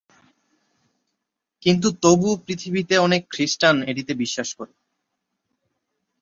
কিন্তু তবুও পৃথিবীতে অনেক খ্রিস্টান এটিতে বিশ্বাস করে।